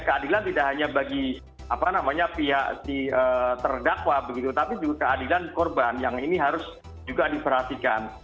keadilan tidak hanya bagi pihak si terdakwa begitu tapi juga keadilan korban yang ini harus juga diperhatikan